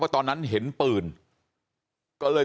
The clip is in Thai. บอกแล้วบอกแล้วบอกแล้ว